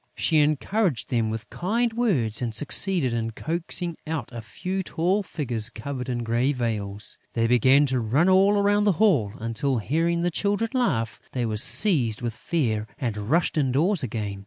She encouraged them with kind words and succeeded in coaxing out a few tall figures covered with grey veils. They began to run all around the hall until, hearing the Children laugh, they were seized with fear and rushed indoors again.